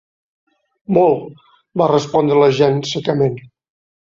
Molt, va respondre la Jeanne, secament.